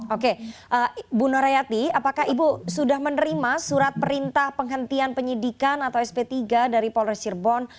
oke bu nur hayati apakah ibu sudah menerima surat perintah penghentian penyidikan atau sp tiga dari polresirbon